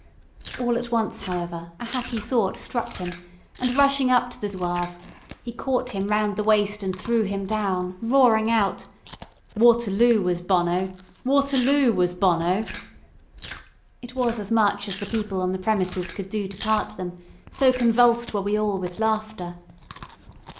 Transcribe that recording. All at once, however, a happy thought struck him, and rushing up to the Zouave, he caught him round the waist and threw him down, roaring out, "Waterloo was bono Waterloo was bono." It was as much as the people on the premises could do to part them, so convulsed were we all with laughter.